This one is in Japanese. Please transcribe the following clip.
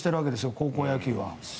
高校野球は。